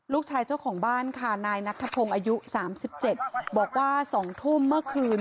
ลูกชายเจ้าของของบ้านค่ะนัททพงอายุ๓๗บอกว่าสองธุ่มเมื่อคืน